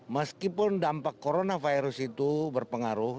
meskipun dampak coronavirus itu berpengaruh